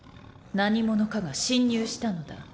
何者かが侵入したのだ。